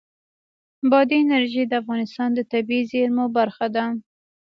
بادي انرژي د افغانستان د طبیعي زیرمو برخه ده.